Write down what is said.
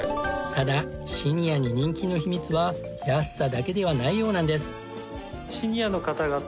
ただシニアに人気の秘密は安さだけではないようなんです。